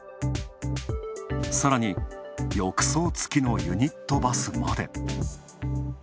さらに、浴槽付きのユニットバスまで。